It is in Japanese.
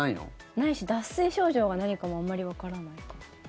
ないし、脱水症状が何かもあまりわからない。